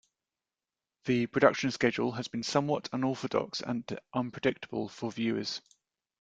The production schedule has been somewhat unorthodox and unpredictable for viewers.